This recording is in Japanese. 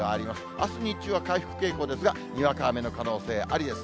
あす日中は回復傾向ですが、にわか雨の可能性ありです。